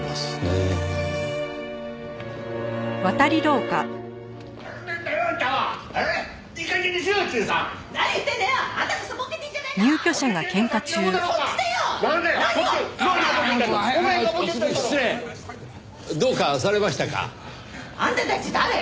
あんたたち誰？